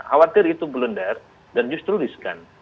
khawatir itu gelendar dan justru riskan